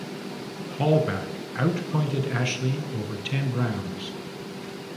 Hallback outpointed Ashley over ten rounds.